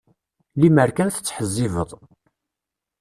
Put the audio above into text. Lemmer kan tettḥezzibeḍ.